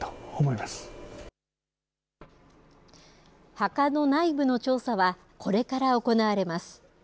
墓の内部の調査は、これから行われます。